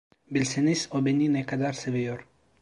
Bilseniz o beni ne kadar seviyor.